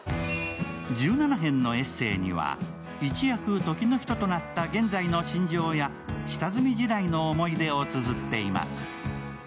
１７編のエッセーには、一躍時の人となった現在の心情や下積み時代の思い出をつづっています。